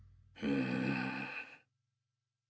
うん。